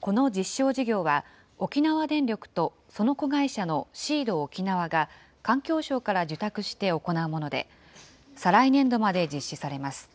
この実証事業は、沖縄電力と、その子会社のシードおきなわが、環境省から受託して行うもので、再来年度まで実施されます。